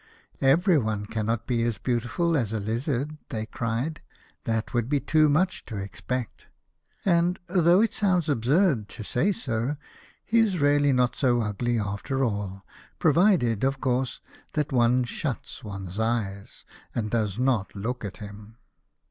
" Every one cannot be as beautiful as a lizard," they cried ;" that would be too much to expect. And, though it sounds absurd to say so, he is really not so ugly after all, provided, of course, that one shuts one's eyes, and does not look at him."